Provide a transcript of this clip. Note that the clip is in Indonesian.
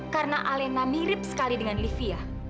karena alena mirip sekali dengan livi ya